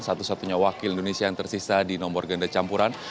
satu satunya wakil indonesia yang tersisa di nomor ganda campuran